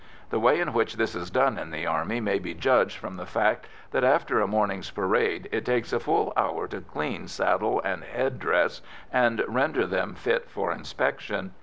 The way in which this is done in the Army may be judged from the fact that, after a morning's parade, it takes a full hour to clean saddle and head dress and render them fit for inspection.